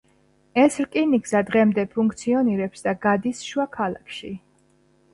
ეს რკინიგზა დღემდე ფუნქციონირებს და გადის შუა ქალაქში.